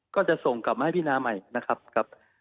ก็จะส่งกลับมาให้พี่น้าใหม่นะครับ